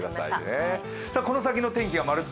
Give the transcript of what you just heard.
この先の天気がまるっと！